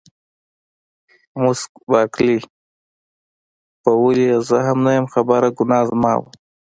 مس بارکلي: په ولې یې زه هم نه یم خبره، ګناه زما وه.